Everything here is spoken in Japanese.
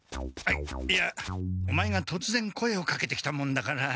いいやオマエがとつぜん声をかけてきたもんだから。